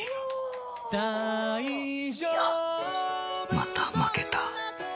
また負けた